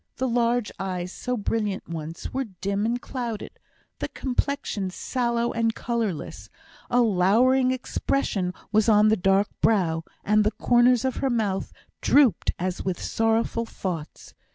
The large eyes, so brilliant once, were dim and clouded; the complexion sallow and colourless; a lowering expression was on the dark brow, and the corners of her mouth drooped as with sorrowful thoughts.